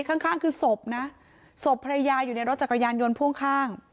ข้างข้างคือศพนะศพภรรยาอยู่ในรถจักรยานยนต์พ่วงข้าง